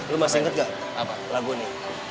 lu masih inget gak lagu ini